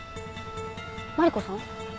マリコさん？